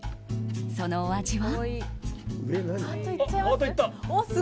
そのお味は。